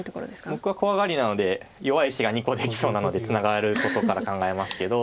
僕は怖がりなので弱い石が２個できそうなのでツナがることから考えますけど。